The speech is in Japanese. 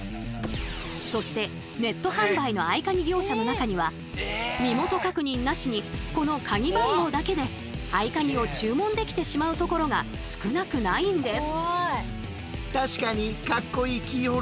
そしてネット販売の合カギ業者の中には身元確認なしにこのカギ番号だけで合カギを注文できてしまうところが少なくないんです。